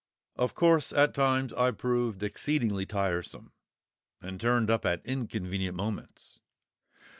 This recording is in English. Of course, at times I proved exceedingly tiresome, and turned up at inconvenient moments.